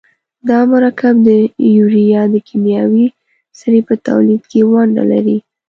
دا مرکب د یوریا د کیمیاوي سرې په تولید کې ونډه لري.